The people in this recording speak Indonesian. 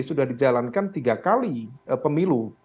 sudah dijalankan tiga kali pemilu